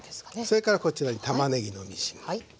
それからこちらにたまねぎのみじん切り。